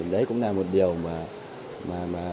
đấy cũng là một điều mà